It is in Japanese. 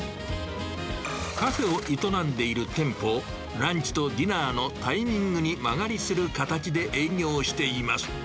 カフェを営んでいる店舗をランチとディナーのタイミングに間借りする形で営業しています。